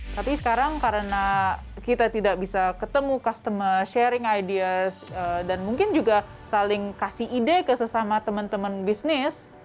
tapi sekarang karena kita tidak bisa ketemu customer sharing ideas dan mungkin juga saling kasih ide ke sesama teman teman bisnis